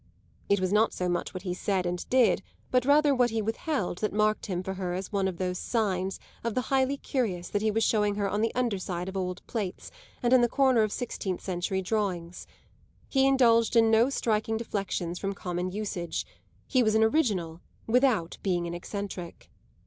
It was not so much what he said and did, but rather what he withheld, that marked him for her as by one of those signs of the highly curious that he was showing her on the underside of old plates and in the corner of sixteenth century drawings: he indulged in no striking deflections from common usage, he was an original without being an eccentric.